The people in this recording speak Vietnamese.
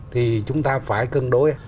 thì chúng ta phải cân đối